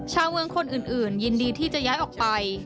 ชาวเมืองคนอื่นยินดีที่จะย้ายออกไป